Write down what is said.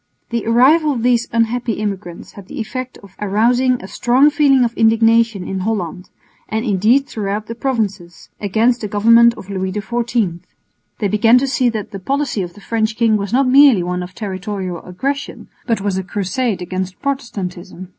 The arrival of these unhappy immigrants had the effect of arousing a strong feeling of indignation in Holland, and indeed throughout the provinces, against the government of Louis XIV. They began to see that the policy of the French king was not merely one of territorial aggression, but was a crusade against Protestantism.